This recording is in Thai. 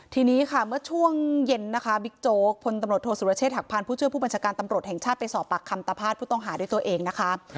ทีนี้ค่ะเมื่อช่วงเย็นนะคะบิ๊กโจ๊กพลตำรวจโทษสุรเชษฐหักพานผู้ช่วยผู้บัญชาการตำรวจแห่งชาติไปสอบปากคำตาภาษผู้ต้องหาด้วยตัวเองนะคะ